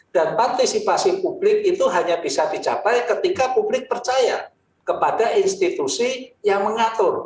dan partisipasi publik itu hanya bisa dicapai ketika publik percaya kepada institusi yang mengatur